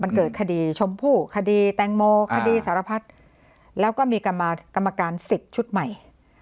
มันเกิดคดีชมพู่คดีแตงโมคดีสารพัฒน์แล้วก็มีกรรมการสิทธิ์ชุดใหม่